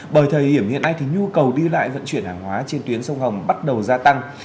bởi thời điểm hiện nay thì nhu cầu đi lại vận chuyển hàng hóa trên tuyến sông hồng bắt đầu gia tăng